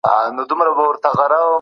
هغه څوک چي خپله ژمنه پوره کوي، ښه دی.